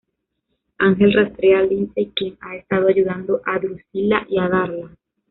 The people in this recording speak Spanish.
Ángel rastrea a Lindsay, quien ha estado ayudando a Drusilla y a Darla.